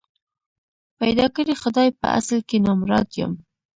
پيدا کړی خدای په اصل کي نامراد یم